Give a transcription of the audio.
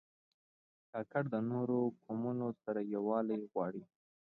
کاکړ د نورو قومونو سره یووالی غواړي.